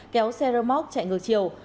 kéo xe rơ móc chạy ngược chiều